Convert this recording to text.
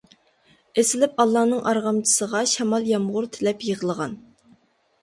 ئېسىلىپ ئاللانىڭ ئارغامچىسىغا، شامال، يامغۇر تىلەپ يىغلىغان.